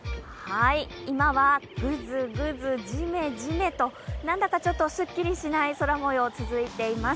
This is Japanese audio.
今はグズグズ、ジメジメとなんだかすっきりしない空もよう、続いています。